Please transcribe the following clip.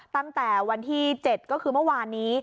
ตั้งแต่วันที่๗ก็คือเมื่อวานนี้